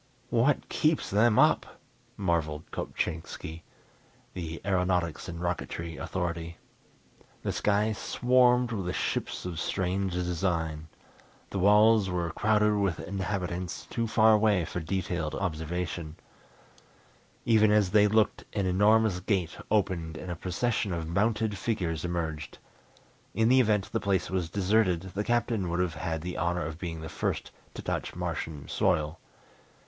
"What keeps them up!" marvelled Kopchainski, the aeronautics and rocketry authority. The sky swarmed with ships of strange design. The walls were crowded with inhabitants, too far away for detailed observation. Even as they looked an enormous gate opened and a procession of mounted figures emerged. In the event the place was deserted, the Captain would have had the honor of being the first to touch Martian soil.